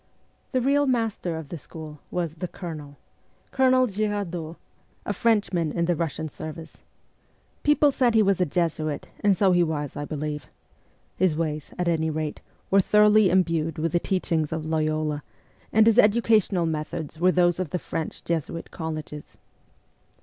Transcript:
The real master of the school was ' the Colonel,' Colonel Girardot, a Frenchman in the Russian service. People said he was a Jesuit, and so he was, I believe. His ways, at any rate, were thoroughly im bued with the teachings of Loyola, and his educational methods were those of the French Jesuit colleges.